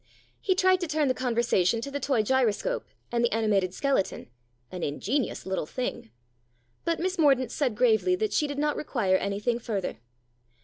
He tried to turn the conversation to the toy gyroscope and the animated skeleton, " an ingenious little thing." But Miss Mordaunt said gravely that she did not require anything further.